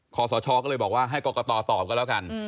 ขอสชก็เลยบอกว่าให้กรกตตอบกันแล้วกัน